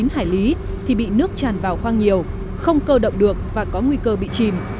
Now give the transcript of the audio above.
chín hải lý thì bị nước tràn vào khoang nhiều không cơ động được và có nguy cơ bị chìm